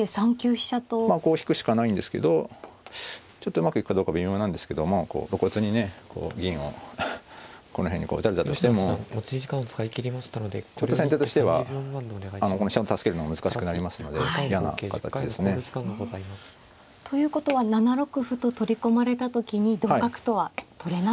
こう引くしかないんですけどちょっとうまくいくかどうか微妙なんですけども露骨にねこう銀をこの辺にこう打たれたとしても先手としては飛車を助けるのも難しくなりますので嫌な形ですね。ということは７六歩と取り込まれた時に同角とは取れないという。